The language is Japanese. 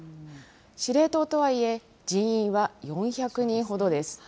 司令塔とはいえ、人員は４００人ほどです。